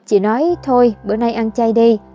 chị nói thôi bữa nay ăn chay đi